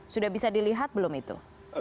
sudah bisa dilihat belum itu